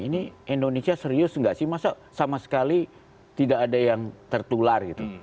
ini indonesia serius nggak sih masa sama sekali tidak ada yang tertular gitu